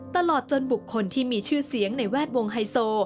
ตลอดจนบุคคลที่มีชื่อเสียงในแวดวงไฮโซ